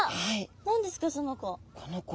何ですかその子。